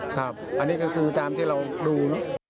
ครับอันนี้ก็คือตามที่เราดู